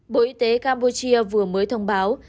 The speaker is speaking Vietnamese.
bộ y tế campuchia vừa mới thông báo